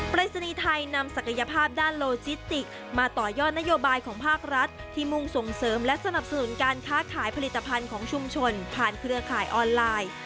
ปริศนีย์ไทยนำศักยภาพด้านโลจิสติกมาต่อยอดนโยบายของภาครัฐที่มุ่งส่งเสริมและสนับสนุนการค้าขายผลิตภัณฑ์ของชุมชนผ่านเครือข่ายออนไลน์